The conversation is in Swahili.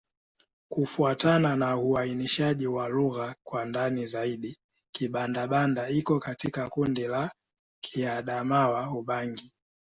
Kufuatana na uainishaji wa lugha kwa ndani zaidi, Kibanda-Banda iko katika kundi la Kiadamawa-Ubangi.